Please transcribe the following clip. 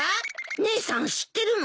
姉さん知ってるの？